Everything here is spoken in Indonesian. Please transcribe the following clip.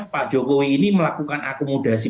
pak jokowi ini melakukan akomodasi